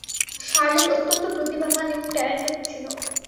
Charlotte অত্যন্ত প্রতিভাবান এবং ট্যালেন্টড ছিল।